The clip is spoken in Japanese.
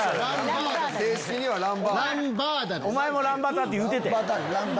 お前も「ランバダ」って言うてたやん。